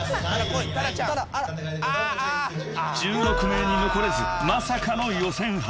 ［１６名に残れずまさかの］